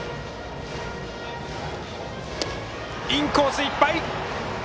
インコースいっぱい！